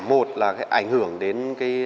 một là ảnh hưởng đến